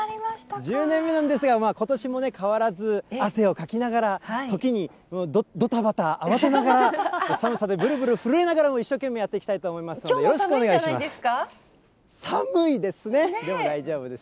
１０年目なんですが、ことしもね、変わらず汗をかきながら、時にどたばた慌てながら、寒さでぶるぶる震えながらも、一生懸命やっていきたいと思いまきょうも寒いんじゃないです